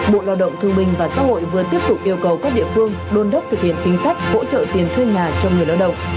bộ lao động thương bình và xã hội vừa tiếp tục yêu cầu các địa phương đôn đốc thực hiện chính sách hỗ trợ tiền thuê nhà cho người lao động